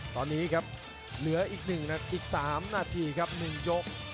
ตอนนี้ครับเหลืออีก๑อีก๓นาทีครับ๑ยก